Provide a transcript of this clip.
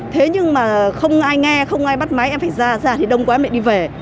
thế nhưng mà không ai nghe không ai bắt máy em phải ra ra thì đông quá em lại đi về